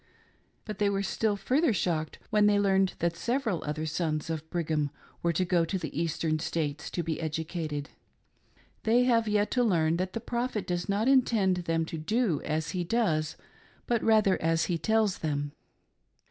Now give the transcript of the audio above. But they were still further shocked when they learned that several other sons of Brigham were to go to the Eastern States to be educated. They have yet to learn that the Prophet does not intend them to do as he does but rather as he tells them.